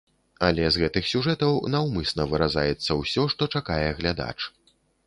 Але з гэтых сюжэтаў наўмысна выразаецца ўсё, што чакае глядач.